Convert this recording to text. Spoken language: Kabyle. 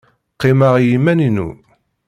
Qqimeɣ i yiman-inu.